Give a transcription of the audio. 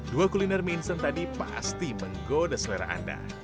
dua kuliner mie instan tadi pasti menggoda selera anda